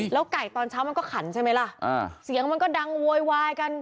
ไก่ตอนเช้ามันก็ขันใช่ไหมล่ะเสียงมันก็ดังโวยวายกัน